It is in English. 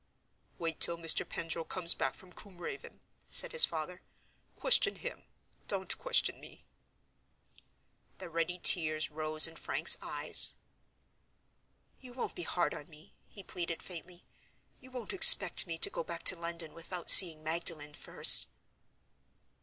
"Wait till Mr. Pendril comes back from Combe Raven," said his father. "Question him—don't question me." The ready tears rose in Frank's eyes. "You won't be hard on me?" he pleaded, faintly. "You won't expect me to go back to London without seeing Magdalen first?"